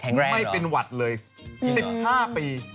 ไม่เป็นหวัดเลย๑๕ปี